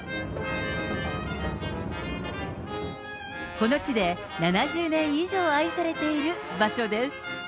この地で７０年以上愛されている場所です。